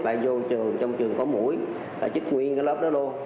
lại vô trường trong trường có mũi chích nguyên cái lớp đó luôn